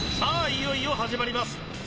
いよいよ始まります